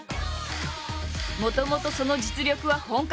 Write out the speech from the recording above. もともとその実力は本格派。